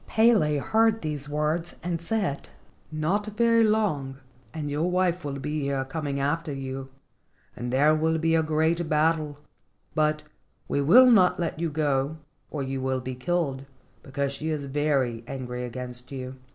Pele heard these words, and said: "Not very long and your wife will be here coming after you, and there will be a great battle, but we will not let you go or you will be killed, because she is very angry against you.